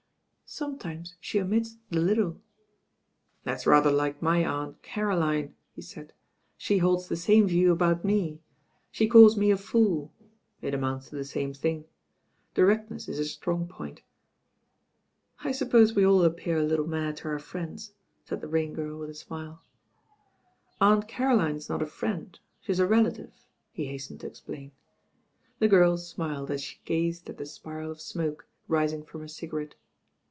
"Some times she omits the 'little.' " "That's rather like my Aunt Caroline," he said, "she holds the same view about me. She calls me a fool. It amounts to the same thing. Directness is her strong point." "I suppose we all appear a little mad to our friends," said the Rain Girl with a smile. "Aunt Caroline's not a friend, she's a relative," he hastened to explain. The girl smiled as she gazed at the spiral of smoke rising from her cigarette.